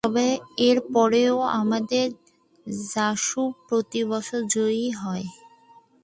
তবে এরপরেও আমাদের জাসু প্রতিবছর জয়ী হয়।